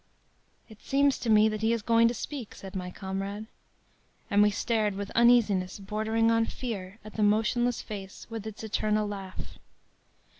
“'It seems to me that he is going to speak,' said my comrade. And we stared with uneasiness bordering on fear at the motionless face, with its eternal laugh.